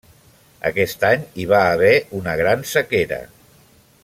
Aquest any hi va haver una gran sequera.